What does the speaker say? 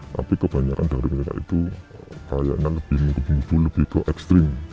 tapi kebanyakan dari mereka itu lebih ke ekstrim